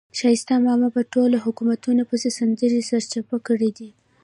ښایسته ماما په ټولو حکومتونو پسې سندرې سرچپه کړې دي.